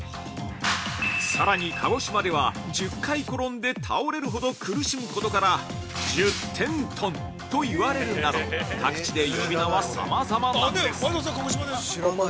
さらに鹿児島では、１０回転んで倒れるほど苦しむことから「ジュッテントン」といわれるなど各地で呼び名はさまざまなんです。